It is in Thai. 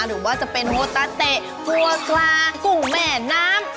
หรือว่าจะเป็นโมตาเตะถั่วครากุ้งแม่น้ำ